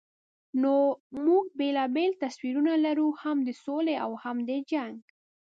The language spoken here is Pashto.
نو موږ بېلابېل تصویرونه لرو، هم د سولې او هم د جنګ.